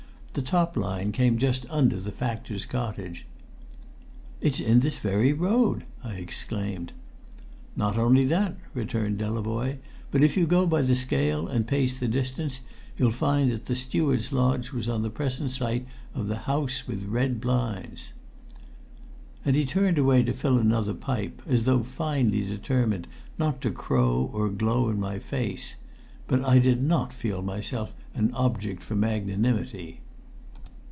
The top line came just under the factor's cottage. "It's in this very road!" I exclaimed. "Not only that," returned Delavoye, "but if you go by the scale, and pace the distance, you'll find that the Steward's Lodge was on the present site of the house with red blinds!" And he turned away to fill another pipe, as though finely determined not to crow or glow in my face. But I did not feel myself an object for magnanimity.